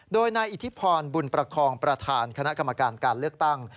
โดยนายอิทธิพรบุญประคองประธานคณะกรรมการการเลือกตั้ง